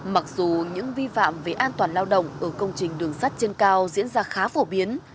mặc dù những vi phạm về an toàn lao động ở công trình đường sắt trên cao diễn ra khá phổ biến